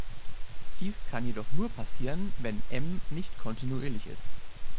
Dies kann jedoch nur passieren, wenn „M“ nicht kontinuierlich ist.